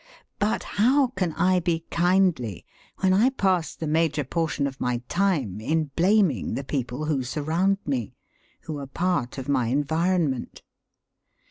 But how can I be kindly when I pass the major portion of my time in blaming the people who surround me who are part of my environment?